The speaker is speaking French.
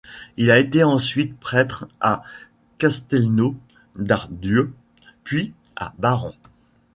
Il a été ensuite prêtre à Castelnau-d'Arbieu puis à Barran.